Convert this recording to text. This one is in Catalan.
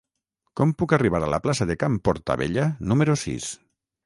Com puc arribar a la plaça de Can Portabella número sis?